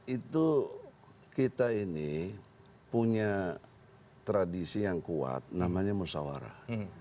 itu kita ini punya tradisi yang kuat namanya musyawarah